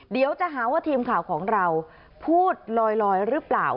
เดี๋ยวจะหาว่าทีมข่าวของเราพูดลอยหรือเปล่า